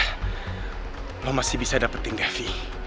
lo masih bisa dapetin devi